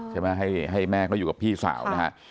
ใช่ไหมให้แม่เขาอยู่กับพี่สาวนะฮะ